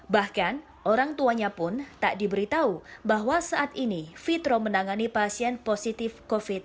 bahkan orang tuanya pun tak diberitahu bahwa saat ini fitro menangani pasien positif covid sembilan belas